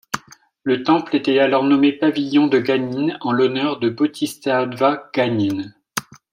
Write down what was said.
Le temple était alors nommé Pavillon de Guanyin en l'honneur du bodhisattva Guanyin.